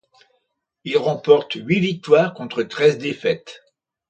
Il remporte huit victoires contre treize défaites.